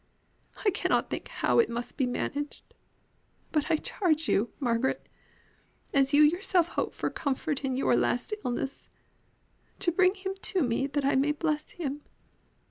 I cannot think how it must be managed; but I charge you, Margaret, as you yourself hope for comfort in your last illness, bring him to me that I may bless him.